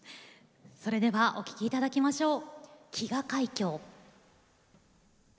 それではお聴きいただきましょう。